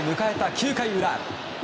９回裏。